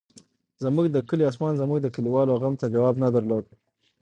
زموږ د کلي اسمان زموږ د کلیوالو غم ته جواب نه درلود.